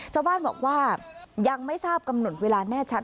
ชาวบ้านบอกว่ายังไม่ทราบกำหนดเวลาแน่ชัด